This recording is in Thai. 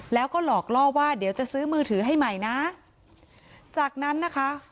แล้วก็หลอกล่อว่าเดี๋ยวจะซื้อมือถือให้ใหม่นะจากนั้นนะคะ